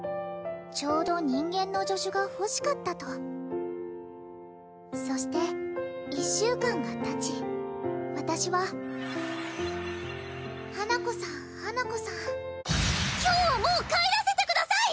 「ちょうどニンゲンの助手が欲しかった」とそして一週間がたち私は花子さん花子さん今日はもう帰らせてください！